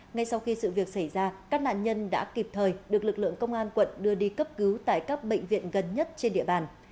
ngay sau khi sự việc xảy ra các nạn nhân đã kịp thời được lực lượng công an quận đưa đi cấp cứu tại các bệnh viện gần nhất trên địa bàn